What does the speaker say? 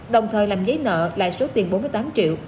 đồng thời làm giấy nợ lại số tiền bốn mươi tám triệu